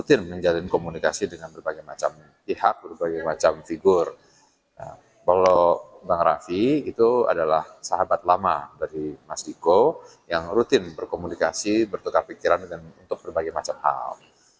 kalau bang rafi itu adalah sahabat lama dari mas diko yang rutin berkomunikasi bertukar pikiran untuk berbagai macam hal